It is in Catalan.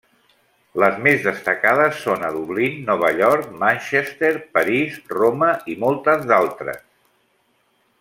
Les més destacades són a Dublín, Nova York, Manchester, París, Roma i moltes d'altres.